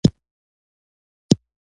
د بهرنیو مرستو څارنه ضروري ده.